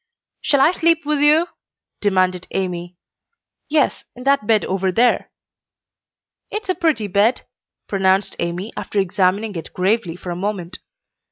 "Shall I sleep with you?" demanded Amy, "Yes, in that bed over there." "It's a pretty bed," pronounced Amy after examining it gravely for a moment.